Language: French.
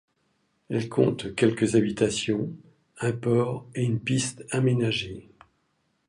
Elle compte quelques habitations, un port et une piste aménagée.